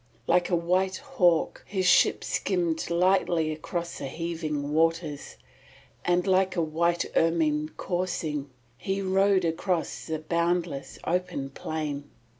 Like a white hawk his ship skimmed lightly across the heaving waters, and like a white ermine coursing he rode across the boundless open plain.